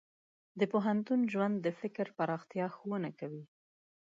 د پوهنتون ژوند د فکر پراختیا ښوونه کوي.